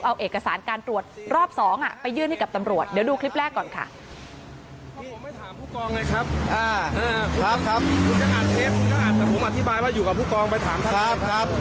เอาเอกสารการตรวจรอบ๒ไปยื่นให้กับตำรวจเดี๋ยวดูคลิปแรกก่อนค่ะ